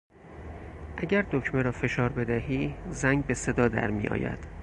اگر دکمه را فشار بدهی زنگ به صدا در میآید.